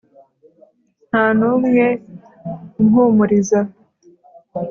nta n’umwe umpumuriza!